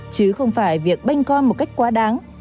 chứ không phải việc bênh con một cách quá đáng